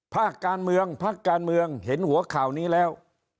ภาคการเมืองพักการเมืองเห็นหัวข่าวนี้แล้ว